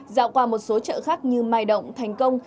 dạo qua một số chợ khác như mai động thành công